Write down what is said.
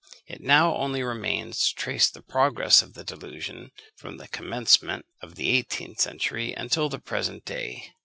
It now only remains to trace the progress of the delusion from the commencement of the eighteenth century until the present day.